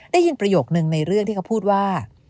ได้ยินประโยคนึงในเรื่องที่เขาพูดว่า